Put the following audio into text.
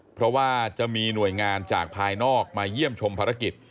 เพราะว่าจะมีหน่วยงานจากภายนอกมาเยี่ยมชมภารกิจ